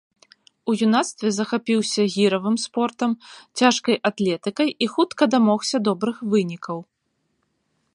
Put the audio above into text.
У юнацтве захапіўся гіравым спортам, цяжкай атлетыкай і хутка дамогся добрых вынікаў.